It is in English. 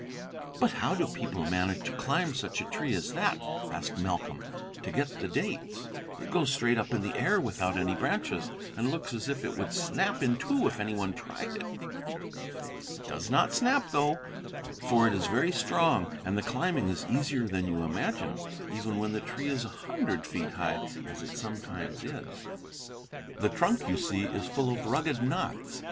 "But how do people manage to climb such a tree as that," asked Malcolm, "to get the dates? It goes straight up in the air without any branches, and looks as if it would snap in two if any one tried it." "It does not snap, though, for it is very strong; and the climbing is easier than you imagine, even when the tree is a hundred feet high, as it sometimes is. The trunk, you see, is full of rugged knots.